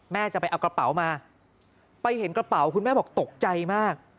จะไปเอากระเป๋ามาไปเห็นกระเป๋าคุณแม่บอกตกใจมาก